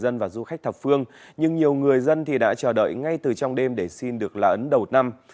nhân viên đã chờ đợi ngay từ trong đêm để xin được là ấn đầu năm